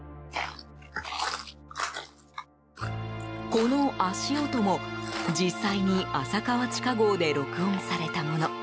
この足音も、実際に浅川地下壕で録音されたもの。